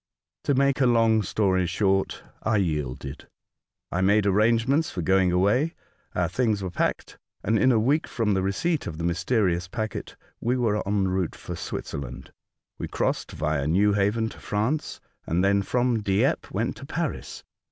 To make a long story short, I yielded. I made arrangements for going away. Our things were packed, and in a week from the receipt of Consideration. 199 the mysterious packet, we were en route for Switzerland. We crossed via Newhaven to France, and then from Dieppe went to Paris.